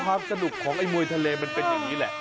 ภาพสนุกของเมาท้าเลมันเป็นอย่างนี้แหละ